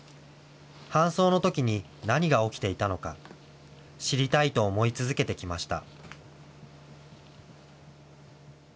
搬送のときに何が起きていたのか、知りたいと思い続けてきました。